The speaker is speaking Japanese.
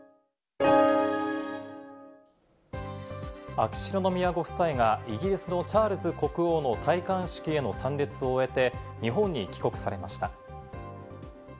秋篠宮ご夫妻がイギリスのチャールズ国王の戴冠式への参列を終えて、日本に帰国されました。